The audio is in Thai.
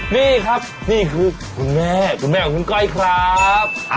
นี่ครับนี่คือคุณแม่คุณแม่ของคุณก้อยครับ